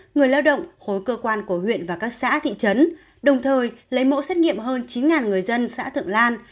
người lao động khối cơ quan của huyện và các xã thị trấn đồng thời lấy mẫu xét nghiệm hơn chín người dân xã thượng lan